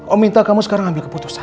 oh minta kamu sekarang ambil keputusan